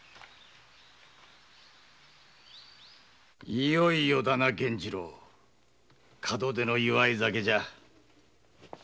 いよいよだな源次郎門出の祝い酒じゃ。